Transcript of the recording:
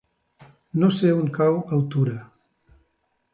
No sé on cau Altura.